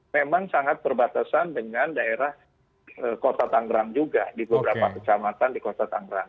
memang sangat berbatasan dengan daerah kota tanggerang juga di beberapa kecamatan di kota tangerang